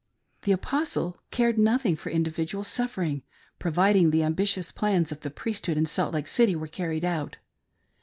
The Apostle (!) cared nothing for individual suffering, providing the ambitious plans of the priesthood in Salt Lake City were carried out.